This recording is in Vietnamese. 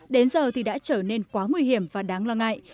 đến giờ thì đã trở nên quá nguy hiểm và đáng lo ngại